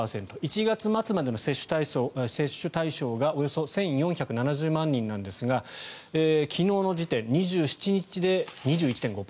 １月末までの接種対象がおよそ１４７０万人なんですが昨日の時点２７日で２１．５％。